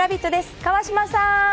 川島さん。